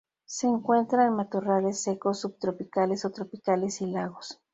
Se encuentra en matorrales secos subtropicales o tropicales y lagos.